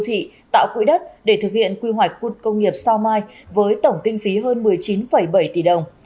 đô thị tạo quỹ đất để thực hiện quy hoạch khu công nghiệp sao mai với tổng kinh phí hơn một mươi chín bảy tỷ đồng